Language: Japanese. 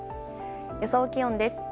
予想気温です。